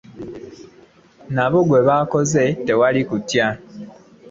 Nabo baakoze ogwabwe awatali kutya